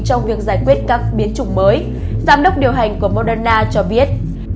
trong việc giải quyết các biến chủng mới giám đốc điều hành của moderna cho biết